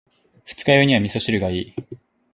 二日酔いには味噌汁がいい。